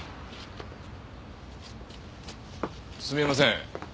すみません。